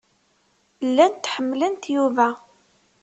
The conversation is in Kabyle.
Llant ḥemmlent Yuba.